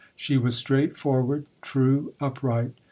She was straight forward, true, upright.